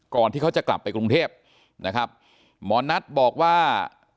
ที่เขาจะกลับไปกรุงเทพนะครับหมอนัทบอกว่า